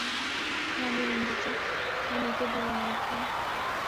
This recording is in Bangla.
ক্ষ্যাপামির ইনজেকশন নিতে ভুলো না, এগম্যান!